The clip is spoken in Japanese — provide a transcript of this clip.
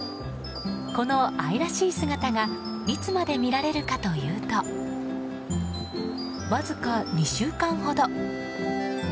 この愛らしい姿がいつまで見られるかというとわずか２週間ほど。